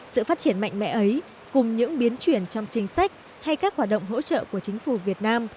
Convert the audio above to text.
sự phát triển mạnh mẽ ấy cùng những biến chuyển trong chính sách hay các hoạt động hỗ trợ của chính phủ việt nam